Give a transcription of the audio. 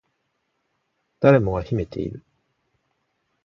誰もが秘めている